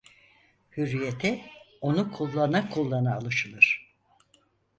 Hürriyete, onu kullana kullana alışılır.